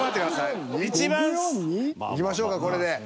いきましょうかこれで。